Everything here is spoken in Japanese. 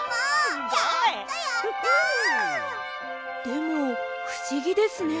でもふしぎですね。